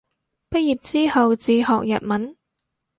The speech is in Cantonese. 畢業之後自學日文